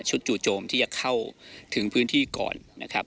จู่โจมที่จะเข้าถึงพื้นที่ก่อนนะครับ